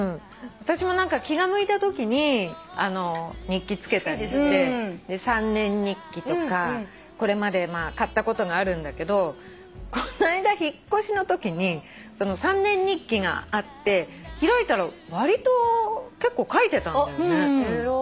私も何か気が向いたときに日記つけたりして３年日記とかこれまで買ったことがあるんだけどこないだ引っ越しのときに３年日記があって開いたらわりと結構書いてたんだよね。